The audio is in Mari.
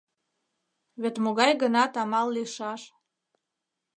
Вет могай-гынат амал лийшаш.